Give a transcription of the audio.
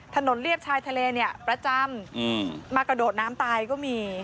เรียบชายทะเลเนี่ยประจำมากระโดดน้ำตายก็มี